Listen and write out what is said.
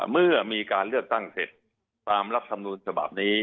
เมื่อมีการเลือกตั้งเสร็จตามรัฐธรรมนูญฉบับนี้